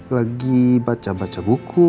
lagi baca baca buku